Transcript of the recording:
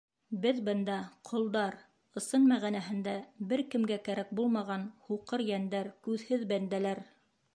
Беҙ бында ҡолдар, ысын мәғәнәһендә бер кемгә кәрәк булмаған һуҡыр йәндәр, күҙһеҙ бәндәләр.